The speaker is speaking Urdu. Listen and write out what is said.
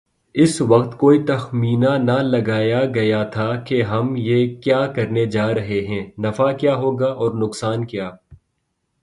اس وقت کوئی تخمینہ نہ لگایاگیاتھا کہ ہم یہ کیا کرنے جارہے ہیں‘ نفع کیا ہوگا اورنقصان کیا۔